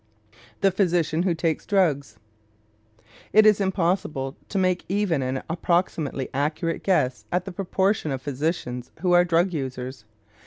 THE PHYSICIAN WHO TAKES DRUGS It is impossible to make even an approximately accurate guess at the proportion of physicians who are drug users.